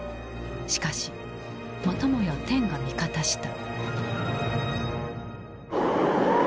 しかしまたもや天が味方した。